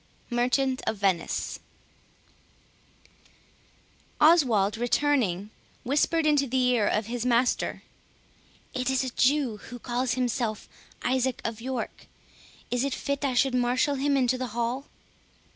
MERCHANT OF VENICE Oswald, returning, whispered into the ear of his master, "It is a Jew, who calls himself Isaac of York; is it fit I should marshall him into the hall?"